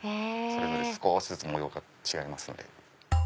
それぞれ少しずつ模様が違いますので。